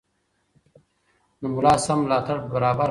د ملا سم ملاتړ برابر کړئ.